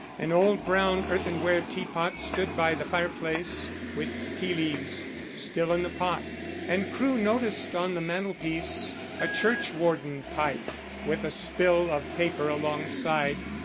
An old brown earthenware teapot stood by the fire place with tea leaves still in the pot, and Crewe noticed on the mantelpiece a churchwarden pipe, with a spill of paper alongside.